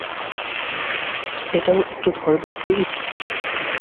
এটাও একটু ধরবে, প্লিজ?